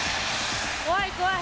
怖い怖い。